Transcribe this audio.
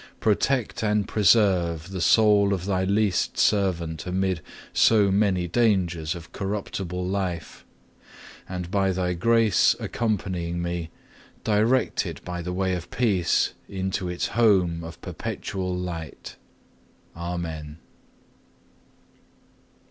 Protect and preserve the soul of Thy least servant amid so many dangers of corruptible life, and by Thy grace accompanying me, direct it by the way of peace unto its home of perpetual light. Amen.